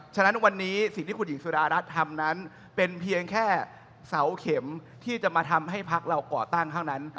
ฉะนั้นวันนี้สิ่งที่คุณหญิงสุดารัฐทำนั้นเป็นเพียงแค่เสาเข็มที่จะมาทำให้พักเราก่อตั้งเท่านั้น